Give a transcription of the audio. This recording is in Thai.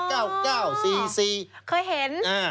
เคยเห็น